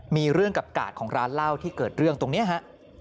มีเรื่องกับกาดของร้านเหล้าที่เกิดเรื่องตรงนี้ฮะ